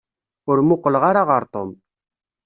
Ur muqleɣ ara ɣer Tom.